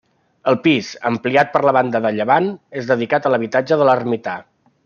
El pis, ampliat per la banda de llevant, és dedicat a l'habitatge de l'ermità.